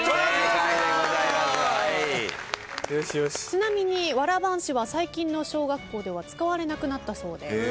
ちなみにわら半紙は最近の小学校では使われなくなったそうです。